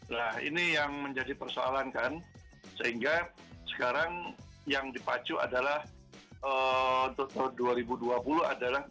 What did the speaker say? nah ini yang menjadi persoalan kan sehingga sekarang yang dipacu adalah untuk tahun dua ribu dua puluh adalah